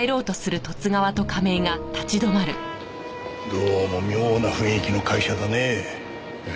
どうも妙な雰囲気の会社だねえ。